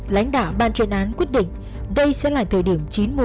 lãnh đạo ban truyền án quyết định đây sẽ là thời điểm chín một mươi